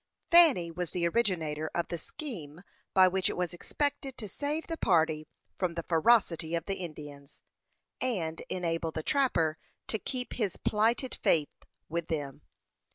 Fanny was the originator of the scheme by which it was expected to save the party from the ferocity of the Indians, and enable the trapper to keep his plighted faith with them.